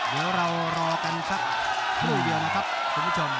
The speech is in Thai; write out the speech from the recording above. เดี๋ยวเรารอกันสักครู่เดียวนะครับคุณผู้ชม